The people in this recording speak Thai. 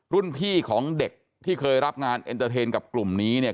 รุ่นพี่ของเด็กที่เคยรับงานเอ็นเตอร์เทนกับกลุ่มนี้เนี่ย